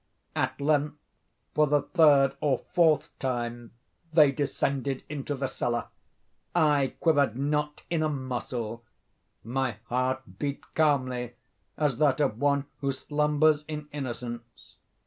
At length, for the third or fourth time, they descended into the cellar. I quivered not in a muscle. My heart beat calmly as that of one who slumbers in innocence.